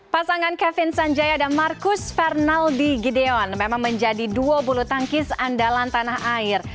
pasangan kevin sanjaya dan marcus fernaldi gideon memang menjadi duo bulu tangkis andalan tanah air